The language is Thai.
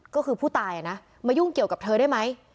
ก็คือผู้ตายมายุ่งเกี่ยวกับเธอได้ไหม